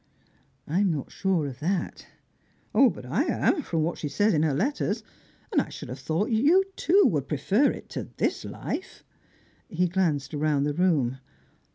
"I'm not sure of that." "But I am, from what she says in her letters, and I should have thought that you, too, would prefer it to this life." He glanced round the room.